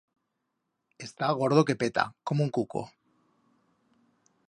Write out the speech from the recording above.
Está gordo que peta, como un cuco.